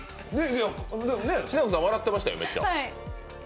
しなこさん笑ってましたよ、めっちゃ。